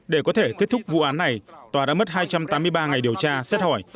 để có thể kết thúc vụ án này tòa đã mất hai trăm tám mươi ba ngày điều tra xét hỏi